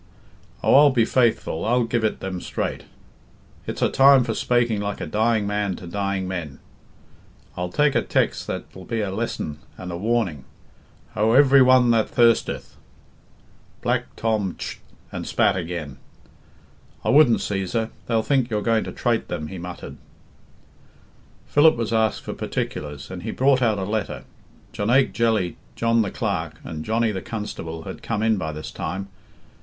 Oh, I'll be faithful, I'll give it them straight, it's a time for spaking like a dying man to dying men; I'll take a tex' that'll be a lesson and a warning, 'Ho, every one that thirsteth " Black Tom tsht and spat again. "I wouldn't, Cæsar; they'll think you're going to trate them," he muttered. Philip was asked for particulars, and he brought out a letter. Jonaique Jelly, John the Clerk, and Johnny the Constable had come in by this time.